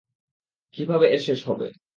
কীভাবে এর শেষ হবে?